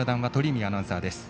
神戸アナウンサーです。